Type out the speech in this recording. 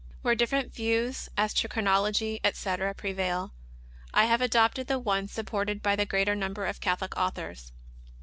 Where different views, as to chronology, etc., pre vail, I have adopted the one supported by the greater nimiber of Catholic authors.